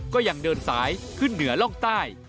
ก็ยังเดินสายขึ้นเหนือร่องใต้